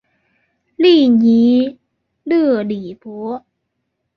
利尼勒里博。